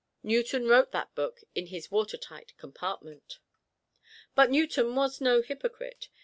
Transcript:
Newton wrote that book in his water tight compartment. But Newton was no hypocrite.